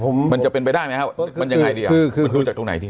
ผมมันจะเป็นไปได้ไหมฮะมันยังไงดีอ่ะคือมันคือจากตรงไหนดี